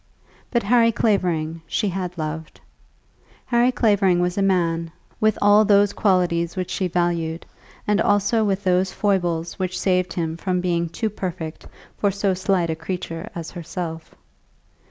But Harry Clavering she had loved. Harry Clavering was a man, with all those qualities which she valued, and also with those foibles which saved him from being too perfect for so slight a creature as herself.